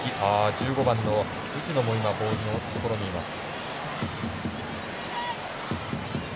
１５番の藤野もボールのところにいます。